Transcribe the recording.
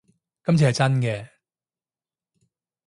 今次係真嘅